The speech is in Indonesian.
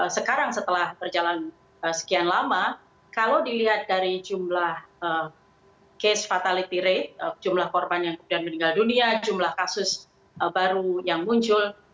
sekarang setelah berjalan sekian lama kalau dilihat dari jumlah case fatality rate jumlah korban yang kemudian meninggal dunia jumlah kasus baru yang muncul